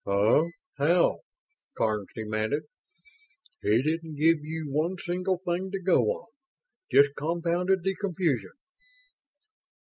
"Huh? How?" Karns demanded. "He didn't give you one single thing to go on; just compounded the confusion."